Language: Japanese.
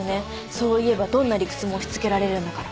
そう言えばどんな理屈も押しつけられるんだから。